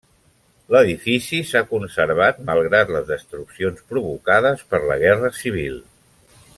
L'edifici s'ha conservat malgrat les destruccions provocades per la Guerra Civil.